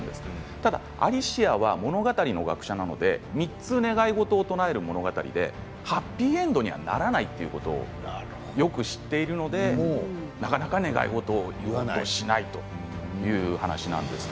ただ、アリシアは物語の学者なので３つ願い事を唱える物語でハッピーエンドにはならないということをよく知っているのでなかなか願い事を言おうとしないという話なんです。